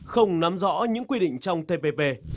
không nắm rõ những quy định trong tpp